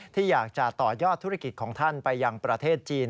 ที่อยากจะต่อยอดธุรกิจของท่านไปยังประเทศจีน